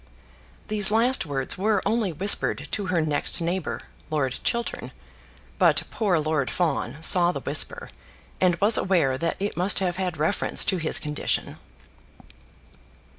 These last words were only whispered to her next neighbour, Lord Chiltern; but poor Lord Fawn saw the whisper, and was aware that it must have had reference to his condition.